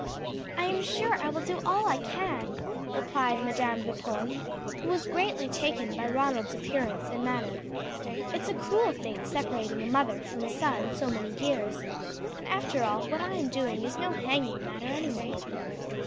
"I am sure I will do all I can," replied Madam Vipon, who was greatly taken by Ronald's appearance and manner; "it's a cruel thing separating a mother from a son so many years, and after all what I am doing is no hanging matter anyway."